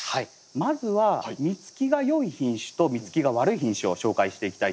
まずは実つきが良い品種と実つきが悪い品種を紹介していきたいと思います。